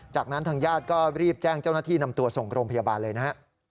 จากนั้นทางญาติก็รีบแจ้งเจ้าหน้าที่นำตัวส่งโรงพยาบาลเลยนะฮะ